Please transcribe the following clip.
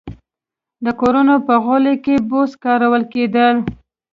د کورونو په غولي کې بوس کارول کېدل.